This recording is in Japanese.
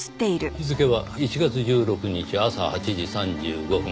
日付は１月１６日朝８時３５分。